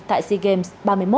tại sea games ba mươi một